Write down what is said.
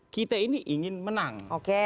kita ini ingin menang